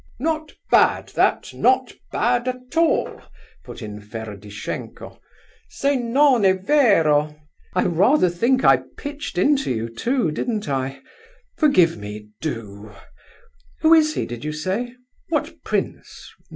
"Not bad that, not bad at all!" put in Ferdishenko, "se non è vero—" "I rather think I pitched into you, too, didn't I? Forgive me—do! Who is he, did you say? What prince?